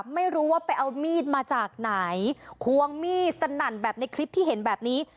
ไม่รู้ว่าไปเอามีดมาจากไหนควงมีดสนั่นแบบในคลิปที่เห็นแบบนี้